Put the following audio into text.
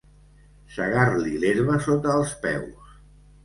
Segar-li l'herba sota els peus.